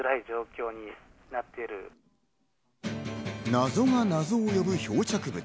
謎が謎を呼ぶ漂着物。